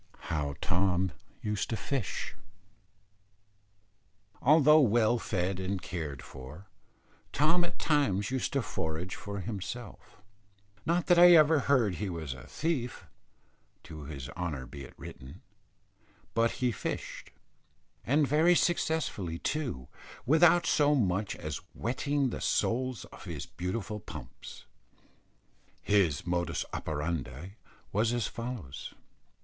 HOW TOM USED TO FISH. Although well fed and cared for, Tom at times used to forage for himself, not that I ever heard he was a thief to his honour be it written; but he fished, and very successfully too, without so much as wetting the soles of his beautiful pumps. His modus operandi was as follows.